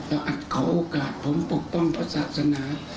อาจขอโอกาสผมปกป้องพระศาสนา